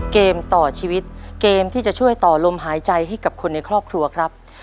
เกมต่อชีวิตเกมที่จะช่วยต่อลมหายใจให้กับคนในครอบครัวครับ